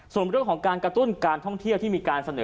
ส่วนเรื่องของการกระตุ้นการท่องเที่ยวที่มีการเสนอ